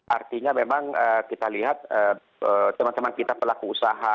artinya memang kita lihat teman teman kita pelaku usaha